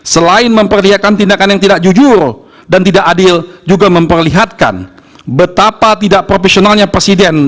selain memperlihatkan tindakan yang tidak jujur dan tidak adil juga memperlihatkan betapa tidak profesionalnya presiden